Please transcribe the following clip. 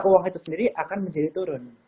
uang itu sendiri akan menjadi turun